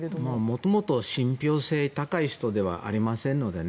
もともと信ぴょう性が高い人ではありませんのでね。